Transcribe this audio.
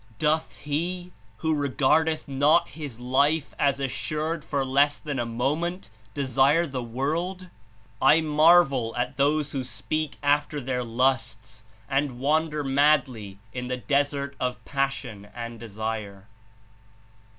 "Doth he, who regardeth not his life (as assured) for less than a moment, desire the world? I marvel at those who speak after their lusts and wander madly in the desert of passion and desire."